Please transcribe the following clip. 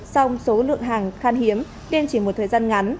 song số lượng hàng khan hiếm kiên chỉ một thời gian ngắn